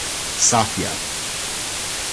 Sathya.